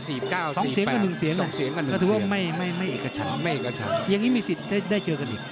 ๒เสียงกัน๑เสียงคือถือว่าไม่เอกชันยังงี้มีสิทธิ์ได้เจอกันอีก